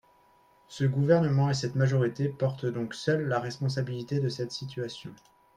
Ce gouvernement et cette majorité portent donc seuls la responsabilité de cette situation.